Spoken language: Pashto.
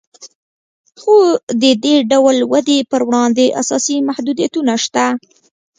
خو د دې ډول ودې پر وړاندې اساسي محدودیتونه شته